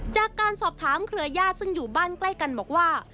จากการสอบถามเครือญาติซึ่งอยู่บ้านใกล้กันบอกว่า